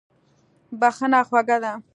بښنه خوږه ده.